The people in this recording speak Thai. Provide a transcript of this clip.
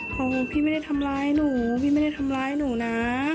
ของพี่ไม่ได้ทำร้ายหนูพี่ไม่ได้ทำร้ายหนูนะ